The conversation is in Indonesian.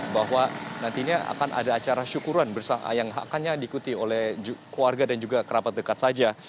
bahwa nantinya akan ada acara syukuran yang akannya diikuti oleh keluarga dan juga kerabat dekat saja